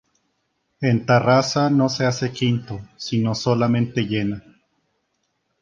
En Tarrasa no se hace quinto sino solamente llena.